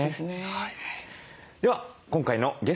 はい。